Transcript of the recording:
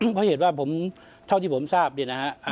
เพราะเหตุว่าผมเท่าที่ผมทราบเนี่ยนะฮะ